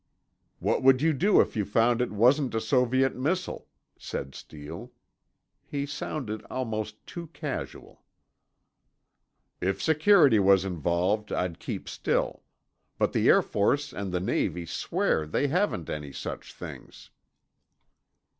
"What would you do if you found it wasn't a Soviet missile?" said Steele. He sounded almost too casual. "If security was involved, I'd keep still. But the Air Force and the Navy swear they haven't any such things."